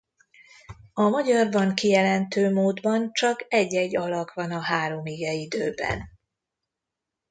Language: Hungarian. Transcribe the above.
A magyarban kijelentő módban csak egy-egy alak van a három igeidőben.